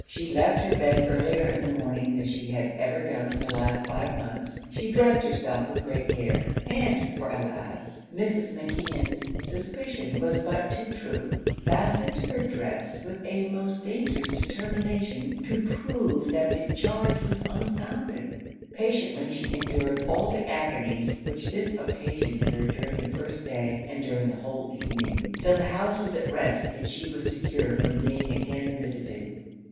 She left her bed earlier in the morning than she had ever done for the last five months; she dressed herself with great care, and for alas, Mrs. McKeon's suspicion was but too true fastened her dress with a most dangerous determination to prove that the charge was unfounded. Patiently she endured all the agonies which this occasioned her during the first day and during the whole evening, till the house was at rest and she was secure from being again visited.